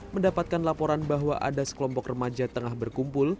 mendapatkan laporan bahwa ada sekelompok remaja tengah berkumpul